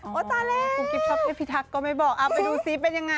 ของคุณเฮพพิทักษ์ก็ไม่บอกไปดูดูซิเป็นยังไง